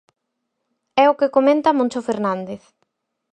É o que comenta Moncho Fernández.